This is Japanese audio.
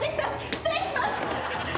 失礼します！